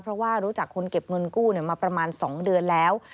เพราะว่ารู้จักคนเก็บเงินกู้มาประมาณ๒เดือนแล้ว